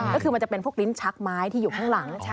ก็คือมันจะเป็นพวกลิ้นชักไม้ที่อยู่ข้างหลัง